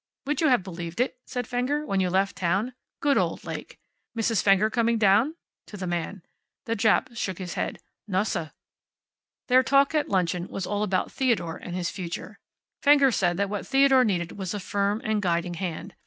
"Would you have believed it," said Fenger, "when you left town? Good old lake. Mrs. Fenger coming down?" to the man. The Jap shook his head. "Nossa." Their talk at luncheon was all about Theodore and his future. Fenger said that what Theodore needed was a firm and guiding hand.